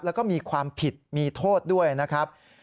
แล้วก็มีความผิดมีโทษด้วยนะครับ